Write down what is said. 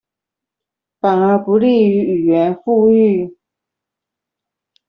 反而不利於語言復育